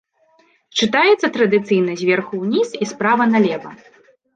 Чытаецца традыцыйна зверху уніз і справа налева.